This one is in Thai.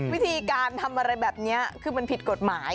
วิธีการทำอะไรแบบนี้คือมันผิดกฎหมาย